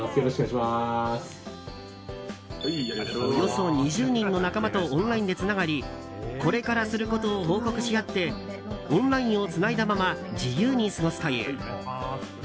およそ２０人の仲間とオンラインでつながりこれからすることを報告し合ってオンラインをつないだまま自由に過ごすという。